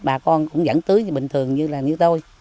bà con cũng vẫn tưới bình thường như là như tôi